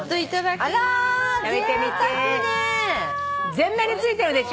全面についてるでしょ。